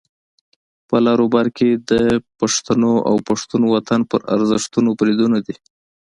په لر او بر کې د پښتنو او پښتون وطن پر ارزښتونو بریدونه دي.